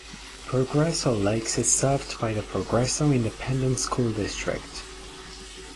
Progreso Lakes is served by the Progreso Independent School District.